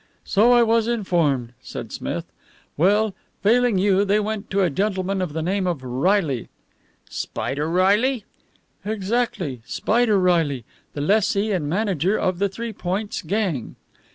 "So I was informed," said Smith. "Well, failing you, they went to a gentleman of the name of Reilly " "Spider Reilly?" "Exactly. Spider Reilly, the lessee and manager of the Three Points gang."